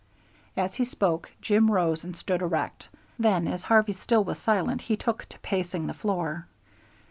As he spoke Jim rose and stood erect; then, as Harvey still was silent, he took to pacing the floor.